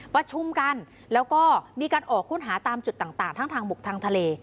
ประชุมกันแล้วก็มีการออกค้นหาตามจุดต่างทั้งทางบุกทางทะเล